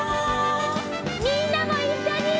みんなもいっしょに！